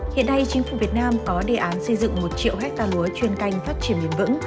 hiện nay chính phủ việt nam có đề án xây dựng một triệu hectare lúa chuyên canh phát triển bền vững